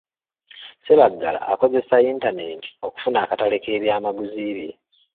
Ssebaggala akozesa yintanenti okufuna akatale k’ebyamaguzi bye.